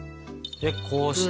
でこうして。